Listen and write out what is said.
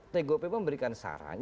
tgupp memberikan saran